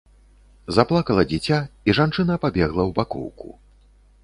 Заплакала дзіця, і жанчына пабегла ў бакоўку.